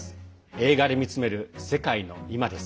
「映画で見つめる世界のいま」。